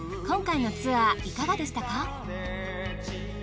今回のツアーいかがでしたか？